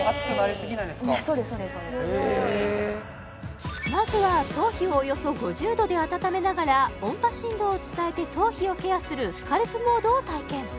そうですそうですへえまずは頭皮をおよそ５０度で温めながら音波振動を伝えて頭皮をケアするスカルプモードを体験